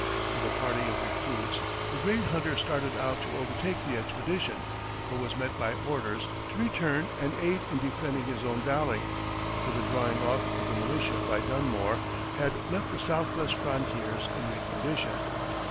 With a party of recruits, the great hunter started out to overtake the expedition, but was met by orders to return and aid in defending his own valley; for the drawing off of the militia by Dunmore had left the southwest frontiers in weak condition.